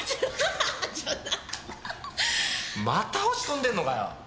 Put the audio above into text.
また落ちこんでんのかよ。